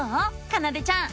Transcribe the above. かなでちゃん。